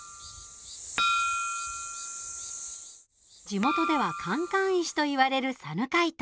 地元では、カンカン石といわれるサヌカイト。